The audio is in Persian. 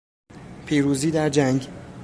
پیروزی در جنگ